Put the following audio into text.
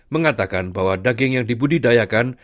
mengatakan bahwa daging yang dibudidayakan